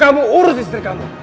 kamu urusin istri kamu